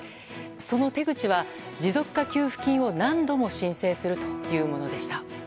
その手口は持続化給付金を何度も申請するというものでした。